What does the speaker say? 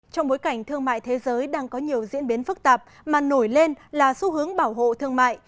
trong bối cảnh thương mại thế giới đang có nhiều diễn biến phức tạp mà nổi lên là xu hướng bảo hộ thương mại